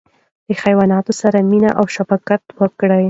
له حیواناتو سره مینه او شفقت وکړئ.